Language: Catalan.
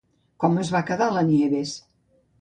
Com es va quedar la Nieves?